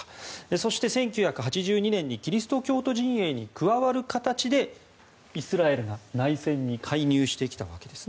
そして、１９８２年にキリスト教徒陣営に加わる形で、イスラエルが内戦に介入してきたわけです。